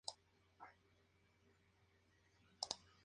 Los adultos tienen hábitos nocturnos o crepusculares.